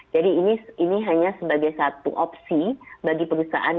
jadi ini hanya sebagai satu opsi bagi perusahaan